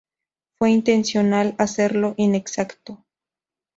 Fue intencional hacerlo inexacto.